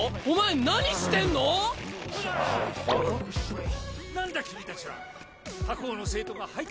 お前何してんの⁉・こら！